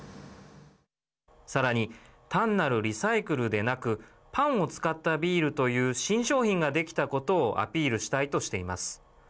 さらに、単なるリサイクルでなくパンを使ったビールという新商品ができたことをアピールしたいとしています。